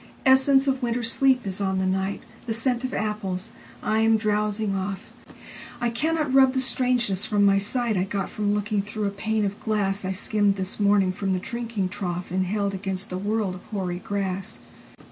Essence of winter sleep is on the night, The scent of apples: I am drowsing off.I cannot rub the strangeness from my sightI got from looking through a pane of glassI skimmed this morning from the drinking troughAnd held against the world of hoary grass.